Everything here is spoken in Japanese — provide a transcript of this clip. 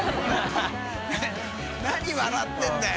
笑ってるんだよ。